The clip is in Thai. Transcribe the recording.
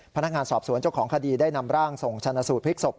พนักงานสอบสวนเจ้าของคดีได้นำร่างส่งชนะสูตรพลิกศพ